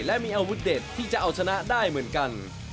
และมีอาวุธเด็ดที่จะเอาชนะได้เหมือนกัน